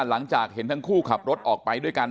หลังจากเห็นทั้งคู่ขับรถออกไปด้วยกัน